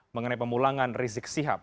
mengenai pemulangan rizik sihab